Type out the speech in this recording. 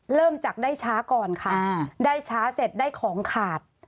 เริ่มจากได้ช้าก่อนค่ะได้ช้าเสร็จได้ของขาด